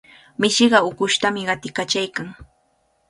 Mishiqa ukushtami qatiykachaykan.